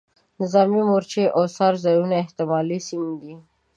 نظامي مورچې او څار ځایونه احتمالي سیمې دي.